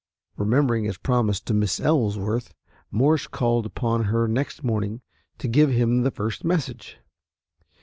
Remembering his promise to Miss Ellsworth, Morse called upon her next morning to give him the first message.